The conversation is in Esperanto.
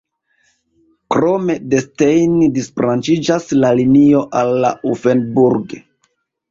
Krome de Stein disbranĉiĝas la linio al Laufenburg.